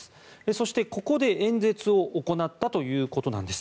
そして、ここで演説を行ったということなんです。